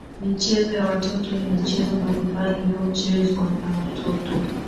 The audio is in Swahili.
Michezo ya watoto ni michezo mbalimbali inayochezwa na watoto